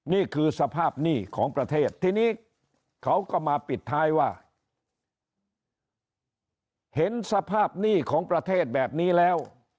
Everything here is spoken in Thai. นี่คือสภาพหนี้ของประเทศทีนี้เขาก็มาปิดท้ายว่าเห็นสภาพหนี้ของประเทศแบบนี้แล้ว